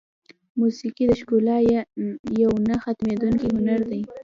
موسیقي د ښکلا یو نه ختمېدونکی هنر دی.